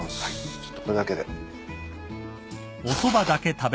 ちょっとこれだけで。